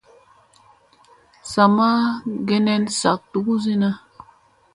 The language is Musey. Sa ma geɗeŋ saɓk duguzina.